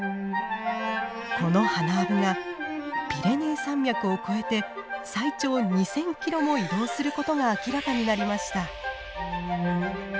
このハナアブがピレネー山脈を越えて最長２，０００キロも移動することが明らかになりました。